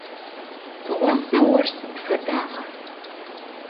Tığuase vor sıd fedağa?